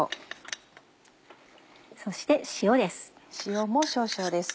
そして塩です。